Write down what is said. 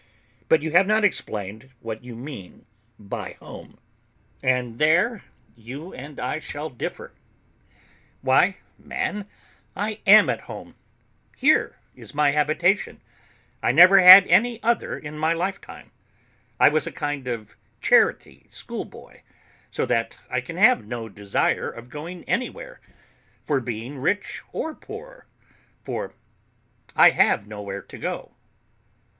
But you have not explained what you mean by home, and there you and I shall differ. Why, man, I am at home; here is my habitation; I never had any other in my lifetime; I was a kind of charity school boy; so that I can have no desire of going anywhere for being rich or poor, for I have nowhere to go."